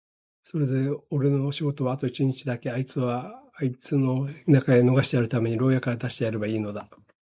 それでおれの仕事はあと一日だけ、あいつをあいつの田舎へ逃してやるために牢屋から出してやればいいのだ。